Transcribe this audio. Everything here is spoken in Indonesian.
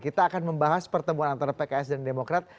kita akan membahas pertemuan antara pks dan demokrat